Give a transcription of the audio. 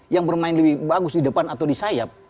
yang bermain lebih bagus di depan atau di sayap